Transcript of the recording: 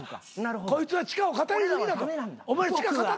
こいつは地下を語り過ぎだと。